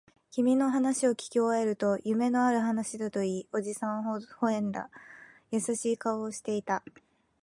君の話をきき終えると、夢のある話だと言い、おじさんは微笑んだ。優しい顔をしていた。